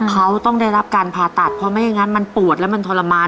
เขาต้องได้รับการผ่าตัดเพราะไม่อย่างนั้นมันปวดแล้วมันทรมาน